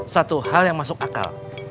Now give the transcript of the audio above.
satu hal yang masuk akal